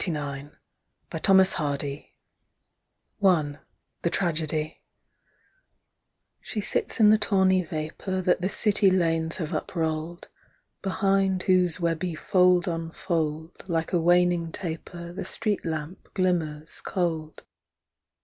A WIFE IN LONDON (December, 1899) I THE TRAGEDY SHE sits in the tawny vapour That the City lanes have uprolled, Behind whose webby fold on fold Like a waning taper The street lamp glimmers cold.